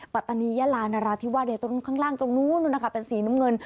ปัตตานียาลานราธิวาสตรงข้างล่างตรงนู้นนะคะเป็นสีน้ำเงิน